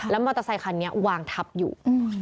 มอเตอร์ไซคันนี้วางทับอยู่